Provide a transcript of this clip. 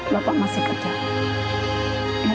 bapak masih kerja